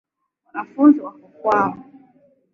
Wanafuzi wako kwao.